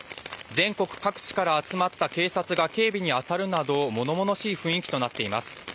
全国各地から集まった警察が警備に当たるなど物々しい雰囲気となっています。